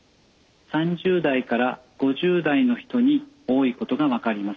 ３０代から５０代の人に多いことが分かります。